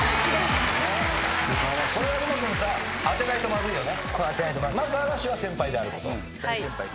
これは風磨君さ当てないとまずいよね。